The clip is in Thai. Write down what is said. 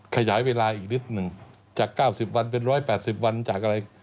ขยายเวลาอีกนิดหนึ่งจาก๙๐วันเป็น๑๘๐วันจากอะไร